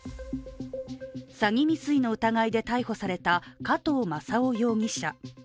詐欺未遂の疑いで逮捕された加藤正夫容疑者。